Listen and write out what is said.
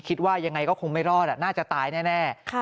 คิดว่ายังไงก็คงไม่รอดอ่ะน่าจะตายแน่แน่ค่ะ